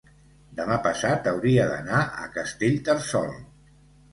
demà passat hauria d'anar a Castellterçol.